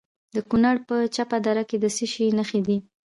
د کونړ په چپه دره کې د څه شي نښې دي؟